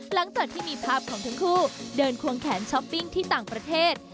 หลังจากที่มีภาพของทั้งคู่เดินควงแขนช้อปปิ้งที่ต่างประเทศ